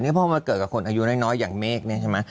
เพราะมันเกิดกับคนอายุน้อยอย่างเมฆเนี่ยใช่ไหม